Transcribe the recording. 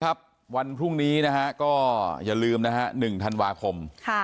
วันพรุ่งนี้นะฮะก็อย่าลืมนะฮะ๑ธันวาคม